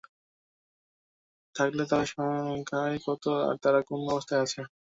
থাকলে তারা সংখ্যায় কত এবং তারা কোন অবস্থায় আছে।